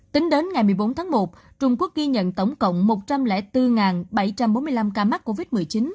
tính đến ngày một mươi bốn tháng một trung quốc ghi nhận tổng cộng một trăm linh bốn bảy trăm bốn mươi năm ca mắc covid một mươi chín